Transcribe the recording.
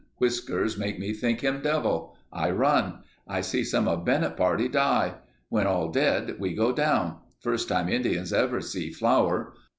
Whiskers make me think him devil. I run. I see some of Bennett party die. When all dead, we go down. First time Indians ever see flour.